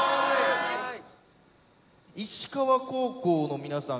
石川高校のみなさん